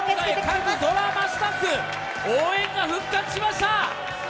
今回、各ドラマスタッフ、応援が復活しました。